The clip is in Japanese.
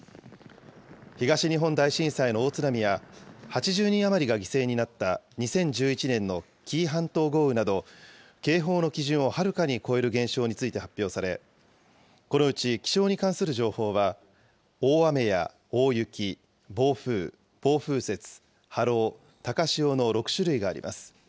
東日本大震災の大津波や、８０人余りが犠牲になった２０１１年の紀伊半島豪雨など、警報の基準をはるかに超える現象について発表され、このうち気象に関する情報は、大雨や大雪、暴風、暴風雪、波浪、高潮の６種類があります。